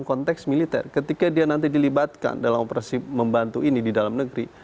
konteks militer ketika dia nanti dilibatkan dalam operasi membantu ini di dalam negeri